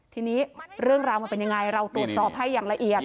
ทีนี้เรื่องราวมันเป็นยังไงเราตรวจสอบให้อย่างละเอียด